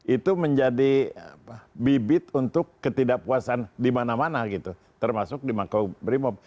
itu menjadi bibit untuk ketidakpuasan di mana mana gitu termasuk di mako brimob